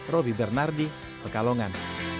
roby bernardi pekalongan